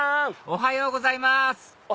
おはようございます！